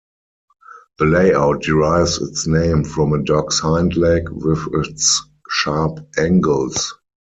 The layout derives its name from a dog's hind leg, with its sharp angles.